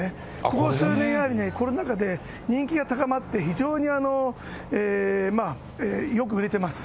ここ数年、やはりコロナ禍で人気が高まって、非常にまあ、よく売れてます。